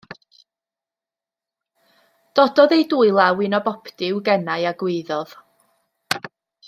Dododd ei dwylaw un o boptu i'w genau a gwaeddodd.